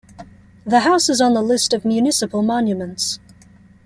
The house is on the list of municipal monuments.